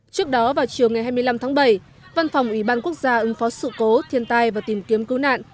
trước đó vào chiều ngày hai mươi năm tháng bảy văn phòng ủy ban quốc gia ứng phó sự cố thiên tai và tìm kiếm cứu nạn